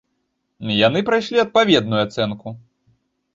Яны прайшлі адпаведную ацэнку.